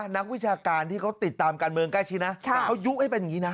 นักวิชาการที่เขาติดตามการเมืองใกล้ชิดนะแต่เขายุให้เป็นอย่างนี้นะ